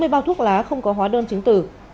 chín mươi bao thuốc lá không có hóa đơn chính từ